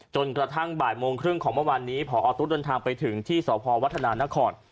จนกระทั่งบ่ายโมงครึ่งของเมื่อวานนี้พอตุ๊ดเดินทางไปถึงที่สพวัฒนานคร